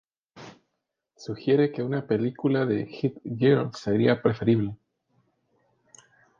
Sugiere que una película de Hit-Girl, sería preferible.